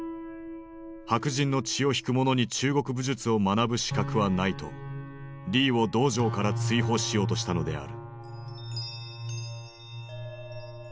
「白人の血を引く者に中国武術を学ぶ資格はない」とリーを道場から追放しようとしたのである。